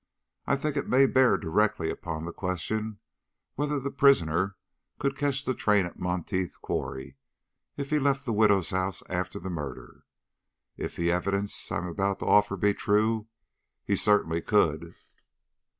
"I think it may bear directly upon the question whether the prisoner could catch the train at Monteith Quarry if he left the widow's house after the murder. If the evidence I am about to offer be true, he certainly could."